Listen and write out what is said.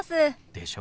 でしょ？